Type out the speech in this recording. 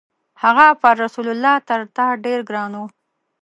هغه پر رسول الله تر تا ډېر ګران و.